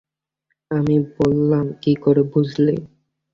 আমি বললাম, কী করে বুঝলি?